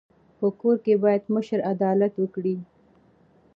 په کور کي بايد مشر عدالت وکړي.